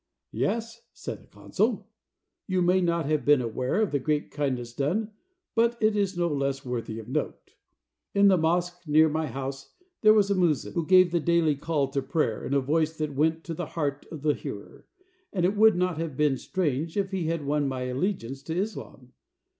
"Yes," said the consul, "you may not have been aware of the great kindness done, but it is no less worthy of note. In the mosque near my house there was a muezzin who gave the daily call to prayer in a voice that went to the heart of the hearer, and it would not have been strange if he had won my allegiance to Islam.